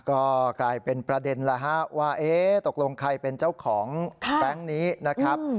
ก็กลายเป็นประเด็นแล้วฮะว่าตกลงใครเป็นเจ้าของแบงค์นี้นะครับ